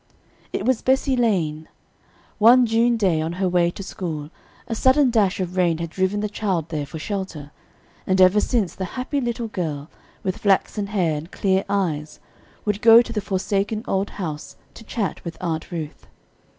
It was Bessie Lane. One June day, on her way to school, a sudden dash of rain had driven the child there for shelter. And ever since, the happy little girl, with flaxen hair and clear eyes, would go to the forsaken old house to chat with Aunt Ruth.